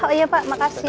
oh iya pak makasih